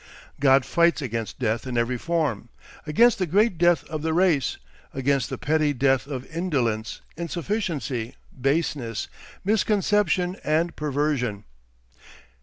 God fights against death in every form, against the great death of the race, against the petty death of indolence, insufficiency, baseness, misconception, and perversion.